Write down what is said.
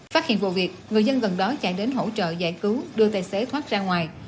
phát hiện vụ việc người dân gần đó chạy đến hỗ trợ giải cứu đưa tài xế thoát ra ngoài